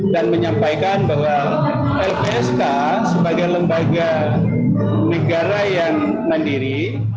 dan menyampaikan bahwa lpsk sebagai lembaga negara yang mandiri